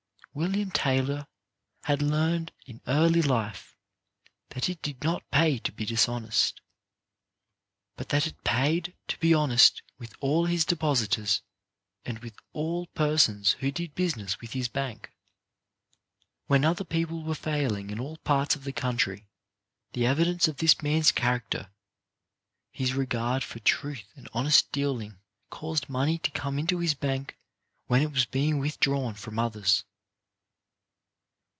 William Taylor had learned in early life that it did not pay to be dishonest, but that it paid to be honest with all his depositors and with all persons who did busi ness with his bank. When other people were failing in all parts of the country, the evidence of this man's character, his regard for truth and honest dealing, caused money to come into his bank when it was being withdrawn from others.